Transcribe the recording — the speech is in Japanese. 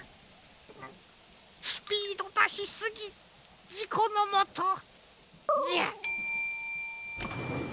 スピードだしすぎじこのもとじゃ。